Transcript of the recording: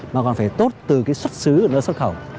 mà còn phải tốt từ xuất xứ của nước xuất khẩu